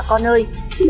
bà con ơi